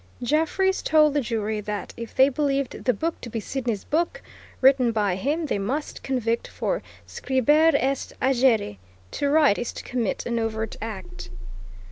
Jeffreys told the jury that if they believed the book to be Sidney's book, written by him, they must convict for scribere est agere, to write is to commit an overt act.